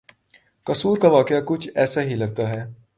قصور کا واقعہ کچھ ایسا ہی لگتا ہے۔